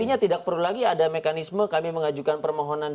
artinya tidak perlu lagi ada mekanisme kami mengajukan permohonan